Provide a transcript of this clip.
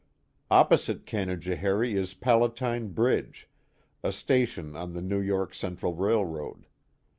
Opposite Canajoharie is Palatine Bridge, a station on the New York Central Railroad.